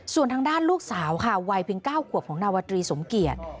ส่วนทางด้านลูกสาวค่ะวัยเพียง๙ขวบของนาวตรีสมเกียจ